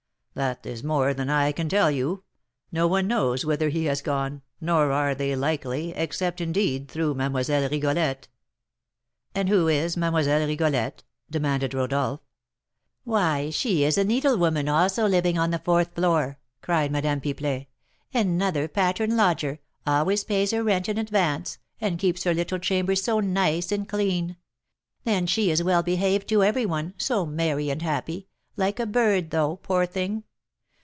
"That is more than I can tell you; no one knows whither he has gone, nor are they likely, except, indeed, through Mlle. Rigolette." "And who is Mlle. Rigolette?" demanded Rodolph. "Why, she is a needlewoman, also living on the fourth floor," cried Madame Pipelet; "another pattern lodger, always pays her rent in advance, and keeps her little chamber so nice and clean; then she is well behaved to every one, so merry and happy, like a bird, though, poor thing!